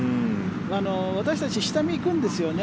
私たち、下見に行くんですよね。